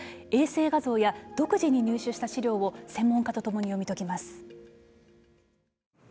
衛星画像や独自に入手した資料を専門家と共に読み解きます。